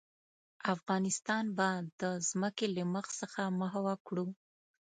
افغانستان به د ځمکې له مخ څخه محوه کړو.